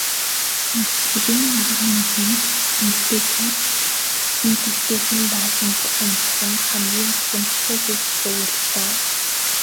Хүндэтгэлийн арга хэмжээнд эмэгтэйчүүд биед эвтэйхэн даашинз өмсөх нь хамгийн тохиромжтой гэж зөвлөлөө.